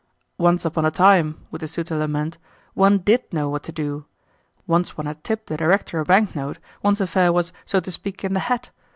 "Once upon a time," would the suitor lament, "one DID know what to do. Once one had tipped the Director a bank note, one's affair was, so to speak, in the hat.